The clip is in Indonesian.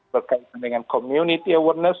berkaitan dengan community awareness